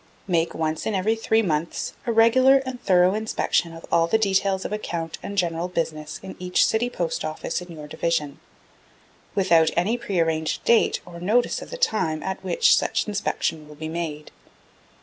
Make once in every three months a regular and thorough inspection of all the details of account and general business in each City Post Office in your Division without any pre arranged date or notice of the time at which such inspection will be made.